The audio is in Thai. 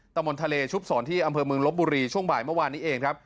ตะมนต์ทะเลชุบสอนที่อำเภอเมืองลบบุรีช่วงบ่ายเมื่อวานนี้เองครับ